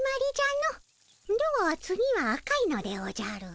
では次は赤いのでおじゃる。